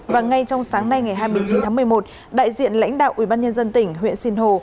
và ngay trong sáng nay ngày hai mươi chín tháng một mươi một đại diện lãnh đạo ubnd tỉnh huyện sinh hồ